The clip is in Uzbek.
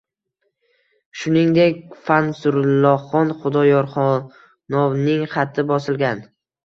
Shuningdek, Fansurulloxon Xudoyorxonovning xati bosilgan.